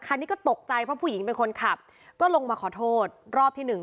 คันนี้ก็ตกใจเพราะผู้หญิงเป็นคนขับก็ลงมาขอโทษรอบที่หนึ่ง